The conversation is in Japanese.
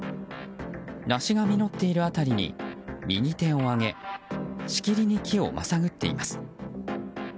梨が実っている辺りに右手を上げしきりに木をまさぐっています。